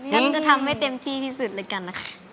งั้นจะทำให้เต็มที่ที่สุดเลยกันนะคะ